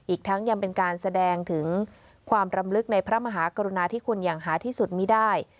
อีกทั้งยังเป็นการแสดงถึงความรำลึกในพระมหากรุณาที่คุณอย่างหาที่สุดมีได้